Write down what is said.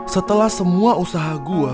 setelah semua usaha gua